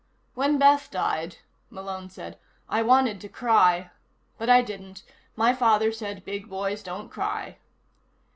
"_ "When Beth died," Malone said, "I wanted to cry. But I didn't. My father said big boys don't cry."